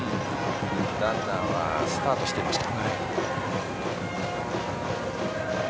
ランナーはスタートしていました。